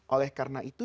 oleh karena itu